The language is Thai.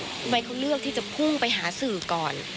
ทำไมเขาเลือกที่จะพุ่งไปหาสื่อก่อน